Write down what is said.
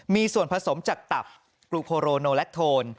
มีส่วนผสมจากตับกลูโคโรโนแลคโทน